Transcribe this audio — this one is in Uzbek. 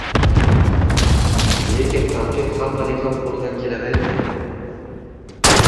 Lekin tanqid hammaning ham qo‘lidan kelavermaydi.